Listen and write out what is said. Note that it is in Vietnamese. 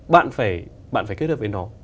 bạn phải kết hợp với nó